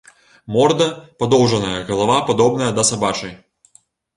Морда падоўжаная, галава падобная да сабачай.